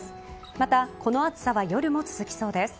また、この暑さは夜も続きそうです。